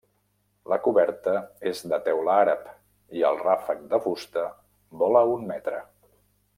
La coberta és de teula àrab i el ràfec de fusta vola un metre.